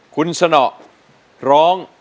คุณสนอร้อง